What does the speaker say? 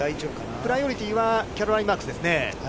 プライオリティーは、キャロライン・マークスですね。